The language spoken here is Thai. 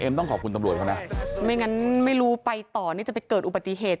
ต้องขอบคุณตำรวจเขานะไม่งั้นไม่รู้ไปต่อนี่จะไปเกิดอุบัติเหตุ